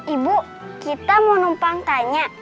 ibu kita mau numpang tanya